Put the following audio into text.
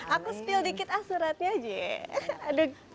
aku spill dikit ah suratnya aja